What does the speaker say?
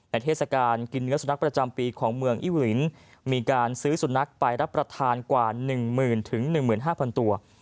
เทศกาลกินเนื้อสุนัขประจำปีของเมืองอิรินมีการซื้อสุนัขไปรับประทานกว่า๑๐๐๐๑๕๐๐ตัว